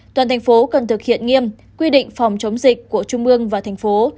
toàn thành phố cần thực hiện nghiêm quy định phòng chống dịch của trung ương và thành phố